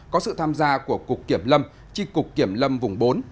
có sự tham gia của cục kiểm lâm tri cục kiểm lâm vùng bốn